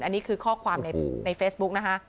อันนี้คือข้อความในเฟซบุ๊กนะคะ